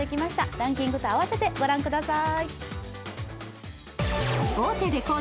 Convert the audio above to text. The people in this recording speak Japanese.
ランキングと併せて御覧ください。